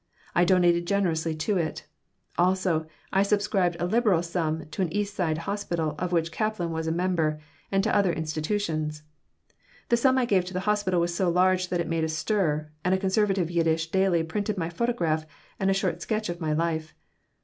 I donated generously to it. Also, I subscribed a liberal sum to an East Side hospital of which Kaplan was a member, and to other institutions. The sum I gave to the hospital was so large that it made a stir, and a conservative Yiddish daily printed my photograph and a short sketch of my life.